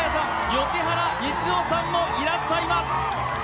吉原光夫さんもいらっしゃいます。